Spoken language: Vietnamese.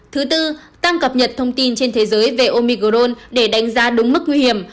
thứ tư tăng cập nhật thông tin trên thế giới về omicrone để đánh giá đúng mức nguy hiểm